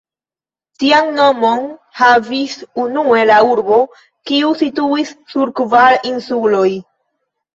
Tian nomon havis unue la urbo, kiu situis sur kvar insuloj.